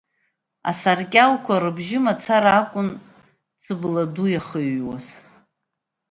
Асаркьалқәа рыбжьы мацара акәын Цыбла Ду иахыҩуаз.